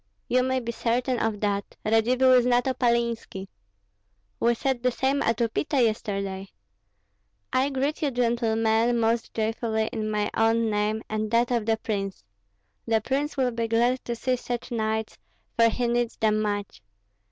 "You may be certain of that; Radzivill is not Opalinski." "We said the same at Upita yesterday." "I greet you, gentlemen, most joyfully in my own name and that of the prince. The prince will be glad to see such knights, for he needs them much.